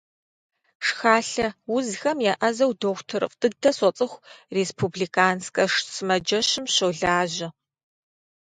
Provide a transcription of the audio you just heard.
Шхалъэ узхэм еӏэзэу дохутырыфӏ дыдэ соцӏыху, республиканскэ сымаджэщым щолажьэ.